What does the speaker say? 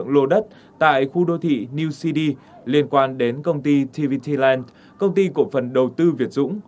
lô đất tại khu đô thị new city liên quan đến công ty tvt land công ty cổ phần đầu tư việt dũng